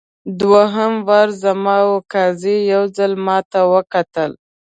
دوهم وار زما وو قاضي یو ځل ماته وکتل.